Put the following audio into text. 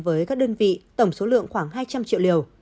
với các đơn vị tổng số lượng khoảng hai trăm linh triệu liều